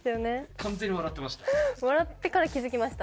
完全に笑ってました。